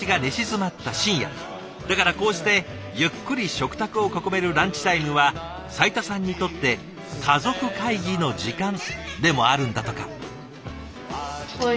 だからこうしてゆっくり食卓を囲めるランチタイムは斉田さんにとって家族会議の時間でもあるんだとか。